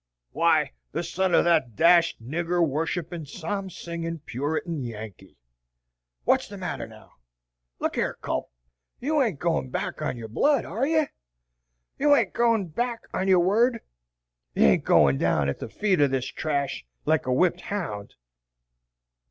"Why, the son of that dashed nigger worshipping psalm singing Puritan Yankee. What's the matter, now? Look yar, Culp, you ain't goin' back on your blood, ar' ye? You ain't goin' back on your word? Ye ain't going down at the feet of this trash, like a whipped hound?"